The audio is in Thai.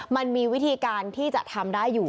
มันมีวิธีการที่จะทำได้อยู่